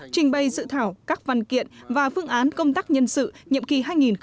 trình bày dự thảo các văn kiện và phương án công tác nhân sự nhiệm kỳ hai nghìn hai mươi hai nghìn hai mươi năm